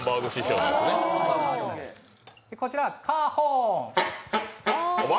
こちらカーホーン。